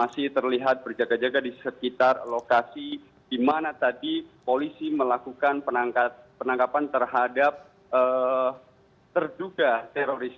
masih terlihat berjaga jaga di sekitar lokasi di mana tadi polisi melakukan penangkapan terhadap terduga teroris